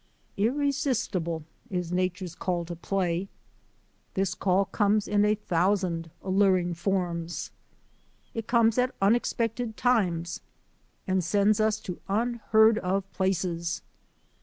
Irresistible is nature's call to play. This call comes in a thousand alluring forms. It comes at unexpected times and sends us to unheard of places.